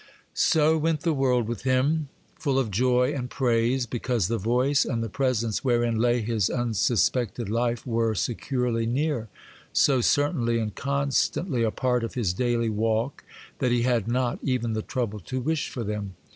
So went the world with him, full of joy and praise, because the voice and the presence wherein lay his unsuspected life, were securely near,—so certainly and constantly a part of his daily walk, that he had not even the trouble to wish for them.